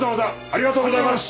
ありがとうございます！